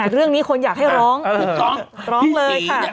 เรื่องนี้คนอยากให้ร้องร้องเลยค่ะ